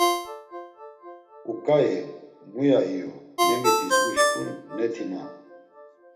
Uǩai muya iyu ne mitis uşǩun neti ma.